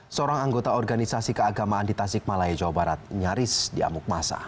seorang anggota organisasi keagamaan di tasik malaya jawa barat nyaris diamuk masa